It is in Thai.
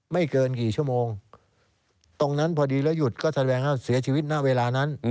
ไม่เกินกี่ชั่วโมงตรงนั้นพอดีแล้วหยุดก็แสดงว่าเสียชีวิตณเวลานั้น